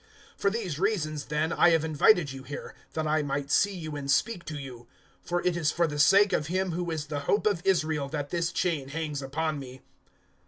028:020 For these reasons, then, I have invited you here, that I might see you and speak to you; for it is for the sake of Him who is the hope of Israel that this chain hangs upon me."